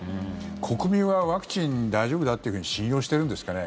国民はワクチン大丈夫だと信用しているんですかね。